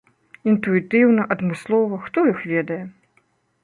Інтуітыўна, адмыслова, хто іх ведае.